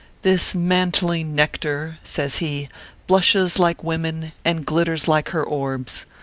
This mantling nectar/ says he, "blushes like women and glitters like her orbs.